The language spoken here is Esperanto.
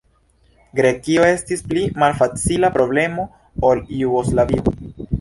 Grekio estis pli malfacila problemo ol Jugoslavio.